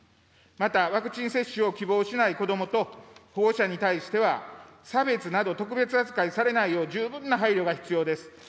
またワクチン接種を希望しない子どもと保護者に対しては、差別など、特別扱いされないよう十分な配慮が必要です。